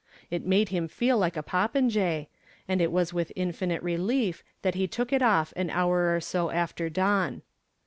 It made him feel like a popinjay, and it was with infinite relief that he took it off an hour or so after dawn.